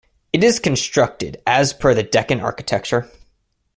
It is constructed as per the Deccan architecture.